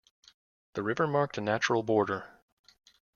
The river marked a natural border.